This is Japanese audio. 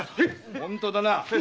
本当だな。